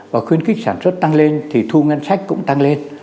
và khuyến khích sản xuất tăng lên thì thu ngân sách cũng tăng lên